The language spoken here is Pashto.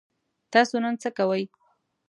تاسو نن څه کوئ؟